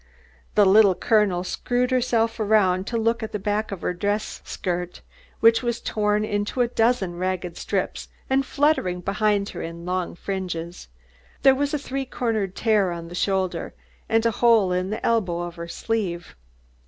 The Little Colonel screwed herself around to look at the back of her dress skirt, which was torn into a dozen ragged strips, and fluttered behind her in long fringes. There was a three cornered tear on the shoulder and a hole in the elbow of her sleeve.